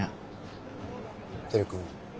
照君。